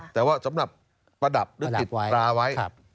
แต่ว่าสำหรับประดับหรือติดตราไว้